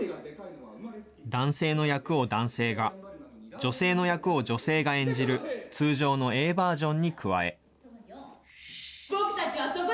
男性の役を男性が、女性の役を女性が演じる、通常のＡバージョンに加え。